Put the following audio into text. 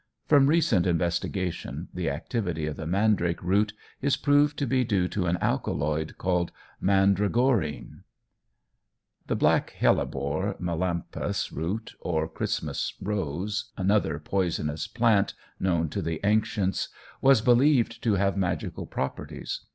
From recent investigation the activity of the mandrake root is proved to be due to an alkaloid called mandragorine. The black hellebore, Melampus root or Christmas rose, another poisonous plant known to the ancients, was believed to have magical properties.